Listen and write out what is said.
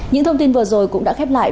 những thông tin vừa rồi cũng đã khép lại